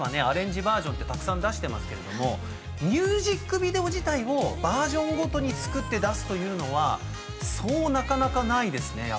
アレンジバージョンってたくさん出してますけれどもミュージックビデオ自体をバージョンごとに作って出すというのはそうなかなかないですね